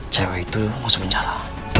cewek itu masuk penjara